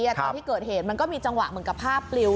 ตอนที่เกิดเหตุมันก็มีจังหวะเหมือนกับภาพปลิว